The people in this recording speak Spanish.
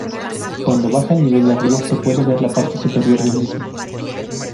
Cuando baja el nivel del río se puede ver la parte superior del mismo.